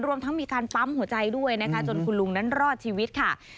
รวมทั้งมีการปั๊มหัวใจด้วยนะคะจนคุณลุงนั้นรอดชีวิตค่ะ